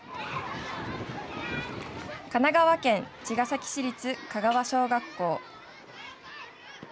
神奈川県茅ヶ崎市立香川小学校。